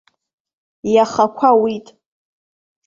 Иаха ақәа ауит.